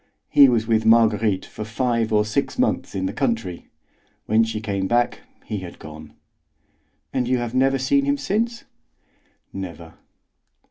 He was with Marguerite for five or six months in the country. When she came back, he had gone." "And you have never seen him since?" "Never."